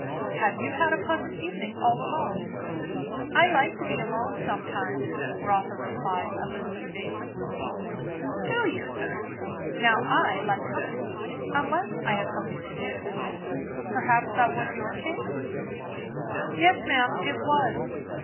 have you had a pleasant evening, all alone?" "I like to be alone sometimes," Rotha replied a little evasively. "Do you! Now I like company; unless I have something to do. Perhaps that was your case, eh?" "Yes, ma'am, it was."